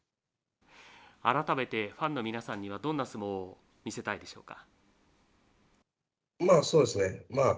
改めてファンの皆さんにはどんな相撲を見せたいでしょうか。